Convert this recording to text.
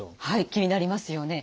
気になりますよね。